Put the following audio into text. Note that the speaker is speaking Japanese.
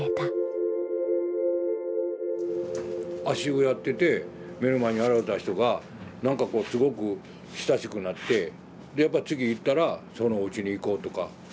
足湯やってて目の前に現れた人がなんかこうすごく親しくなってでやっぱ次行ったらそのおうちに行こうとか。